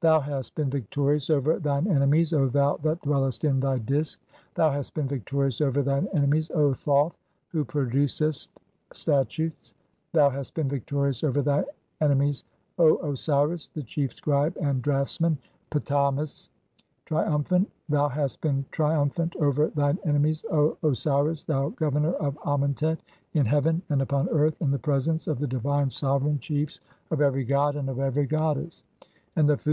Thou hast 'been victorious over thine enemies, O thou that dwellest in 'thy Disk ; thou hast been victorious over thine (9) enemies, O 'Thoth, who producest(?) statutes; thou hast been victorious over 'thine enemies, O Osiris, (10) the chief scribe and draughts 'man, Ptah mes, triumphant ; thou hast been triumphant over 'thine enemies, O Osiris, thou Governor of Amentet, in heaven 'and upon earth in the presence of the (11) divine sovereign 'chiefs of every god and of every goddess ; and the food